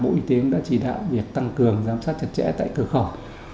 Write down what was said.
bộ y tế cũng đã chỉ đạo việc tăng cường giám sát chật chẽ tại cửa khẩu